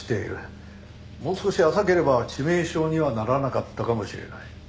もう少し浅ければ致命傷にはならなかったかもしれない。